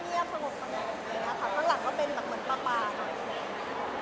ข้างหลังก็เป็นเหมือนป้าปาก